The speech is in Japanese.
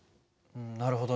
なるほどね。